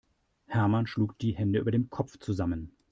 Hermann schlug die Hände über dem Kopf zusammen.